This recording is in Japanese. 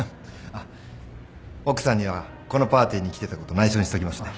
あっ奥さんにはこのパーティーに来てたこと内緒にしときますね。